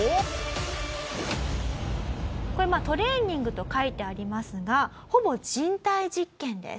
これトレーニングと書いてありますがほぼ人体実験です。